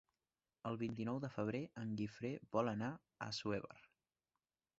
El vint-i-nou de febrer en Guifré vol anar a Assuévar.